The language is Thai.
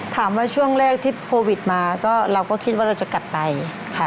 ถามว่าช่วงแรกที่โควิดมาก็เราก็คิดว่าเราจะกลับไปค่ะ